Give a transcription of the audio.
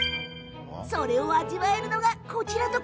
それを味わえるのが、こちら。